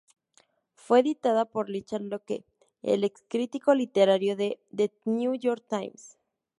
Fue editada por Richard Locke, el ex crítico literario de "The New York Times".